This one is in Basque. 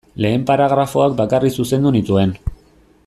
Lehen paragrafoak bakarrik zuzendu nituen.